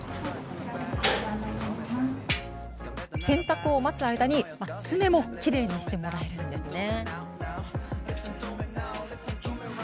洗濯を待つ間に爪もきれいにしてもらえるんです。